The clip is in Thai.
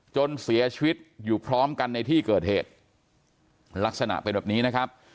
จนเสียชีวิตอยู่พร้อมกันในที่เกิดเหตุลักษณะเป็นแบบนี้นะครับ